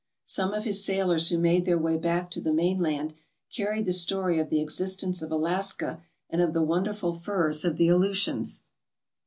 Some of his sailors who made their way back to the mainland carried the story of the existence of Alaska and of the wonderful furs of the Aleutians.